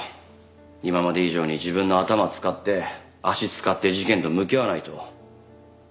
今まで以上に自分の頭使って足使って事件と向き合わないと。